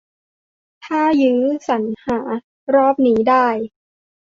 ถ้ายื้อสรรหารอบนี้ได้